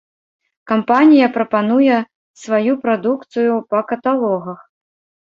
Кампанія прапануе сваю прадукцыю па каталогах.